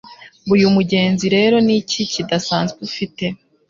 ngo uyu mugezi rero ni iki kidasanzwe ufite